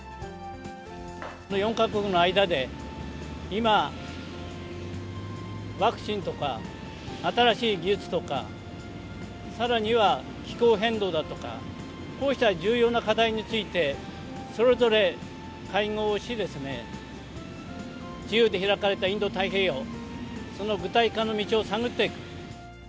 ４か国の間で、今、ワクチンとか新しい技術とか、さらには気候変動だとか、こうした重要な課題について、それぞれ会合をし、自由で開かれたインド太平洋、その具体化の道を探っていく。